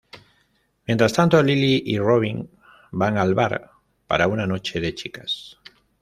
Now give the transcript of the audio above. Mientras tanto, Lily y Robin van al bar para una noche de chicas.